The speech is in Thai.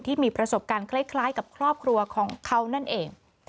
ที่มีประสบการณ์คล้ายกับครอบครัวของเขานั่นเอง